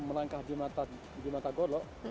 melangkah di mata golok